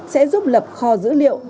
sẽ giúp lập kho dữ liệu